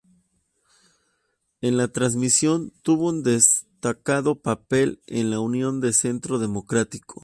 En la Transición tuvo un destacado papel en la Unión de Centro Democrático.